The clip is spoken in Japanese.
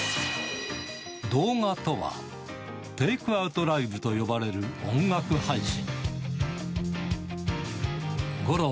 動画とは、テイクアウトライブと呼ばれる音楽配信。